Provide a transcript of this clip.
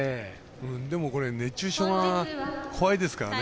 でも熱中症が怖いですからね。